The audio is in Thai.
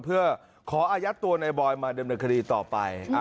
เพื่อขออาญาตัวในบอยมาเดิมในคดีต่อไป